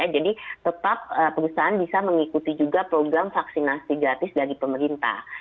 jadi tetap perusahaan bisa mengikuti juga program vaksinasi gratis dari pemerintah